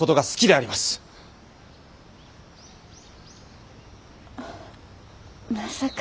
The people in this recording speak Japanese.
あまさか。